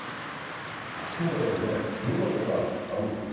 スプレーで見事なあんな